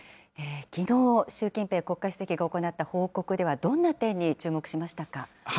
きのう、習近平国家主席が行った報告では、どんな点に注目しましたか。